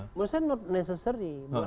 menurut saya not necessary